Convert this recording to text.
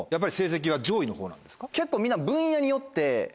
結構みんな。